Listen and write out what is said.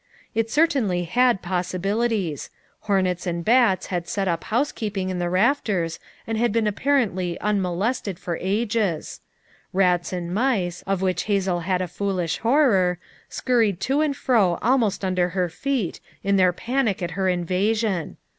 It certainly had possibilities ; hornets and bats had set up housekeeping in the raft ers and been apparently unmolested for ages. FOUK MOTHERS AT CHAUTAUQUA 107 Eats and mice, of which Hazel had a foolish horror, scurried to and fro almost under her feet in their panic at her invasion.